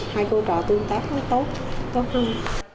hai cô trò tương tác nó tốt tốt hơn